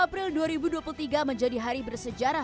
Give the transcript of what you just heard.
dua puluh april dua ribu dua puluh tiga menjadi hari bersejarah